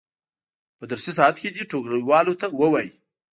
په درسي ساعت کې دې ټولګیوالو ته ووایي.